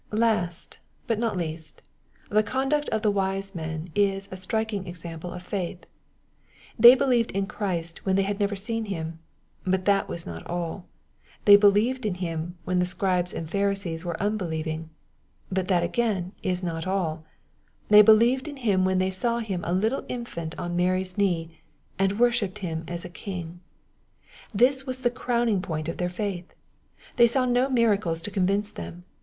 Last, but not least, the conduct of the wise men is a striking example of faith. They believed in Christ when they had never seen Him ;— but that was not all. They ■believed in Him when the Scribes and Pharisees were pnbelieving ;— but that again was not all. They believed \ii Him wjien they saw Him a little infant on Mary's kne/B^ and virpj^hipped Him as a king. This was the pfowniag po^nt of tl^eir faith. — They saw no miracles to eoftyiftcp them.